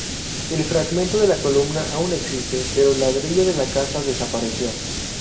El fragmento de la columna aún existe, pero el ladrillo de la casa desapareció.